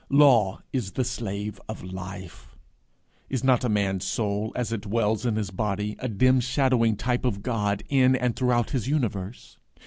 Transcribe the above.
Law is the slave of Life. Is not a man's soul, as it dwells in his body, a dim shadowing type of God in and throughout his universe?